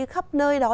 khắp nơi đó